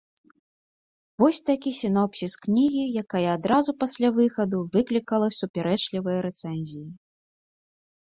Вось такі сінопсіс кнігі, якая адразу пасля выхаду выклікала супярэчлівыя рэцэнзіі.